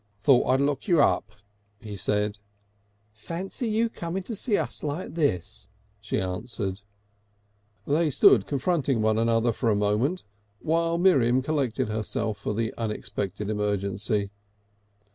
"Thought I'd look you up," he said. "Fancy! you coming to see us like this!" she answered. They stood confronting one another for a moment, while Miriam collected herself for the unexpected emergency.